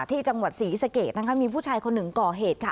ที่จังหวัดศรีสะเกดนะคะมีผู้ชายคนหนึ่งก่อเหตุค่ะ